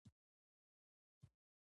ملک صاحب چې جومات ته راشي.